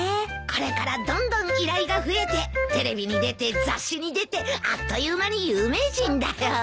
これからどんどん依頼が増えてテレビに出て雑誌に出てあっという間に有名人だよ。